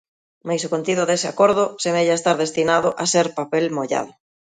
Mais o contido dese acordo semella estar destinado a ser papel mollado.